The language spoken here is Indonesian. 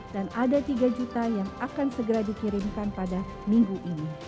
dan ada tiga juta yang akan segera dikirimkan pada minggu ini